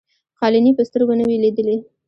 قالیني په سترګو نه وې لیدلي.